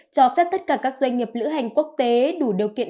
cho phép tất cả các doanh nghiệp lữ hành quốc tế đủ điều kiện